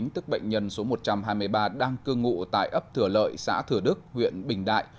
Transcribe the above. tức bệnh nhân số một trăm hai mươi ba đang cư ngụ tại ấp thửa lợi xã thửa đức huyện bình đại